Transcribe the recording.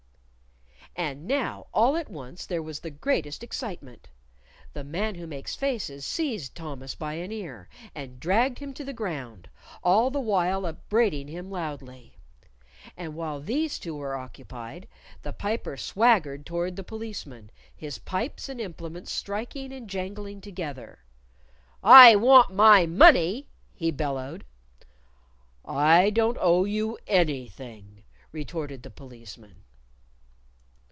And now all at once there was the greatest excitement. The Man Who Makes Faces seized Thomas by an ear and dragged him to the ground, all the while upbraiding him loudly. And while these two were occupied, the Piper swaggered toward the Policeman, his pipes and implements striking and jangling together. "I want my money," he bellowed. "I don't owe you anything!" retorted the Policeman.